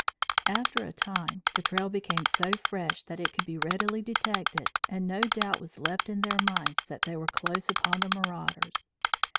After a time, the trail became so fresh that it could be readily detected and no doubt was left in their minds that they were close upon the marauders.